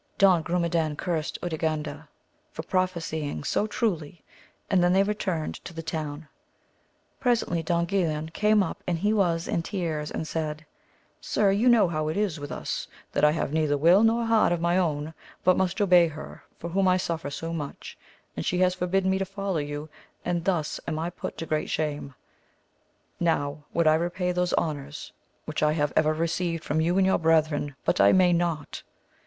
Don Grumedan cursed Urganda for prophesying so truly, and then they returned to the town. Presently Don Guilan came up and he was in tears ; and he said. Sir, you know how it is with us, that I have neither will nor heart of my own, but must obey her for whom I suffer so much, and she has forbidden me to follow you, and thus am I put to great shame : now would I repay those honours which. 118 AMADIS OF GAUL. I have ever received from you and your brethren but I may not